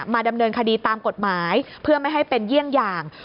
ดำเนินคดีตามกฎหมายเพื่อไม่ให้เป็นเยี่ยงอย่าง